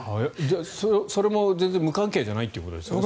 それも全然無関係じゃないということですね。